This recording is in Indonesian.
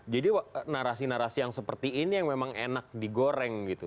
jadi narasi narasi yang seperti ini yang memang enak digoreng gitu